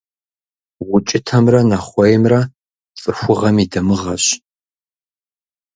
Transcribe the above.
УкIытэмрэ нэхъуеймрэ цIыхугъэм и дамыгъэщ.